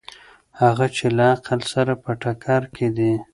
هغه چې له عقل سره په ټکر کې دي.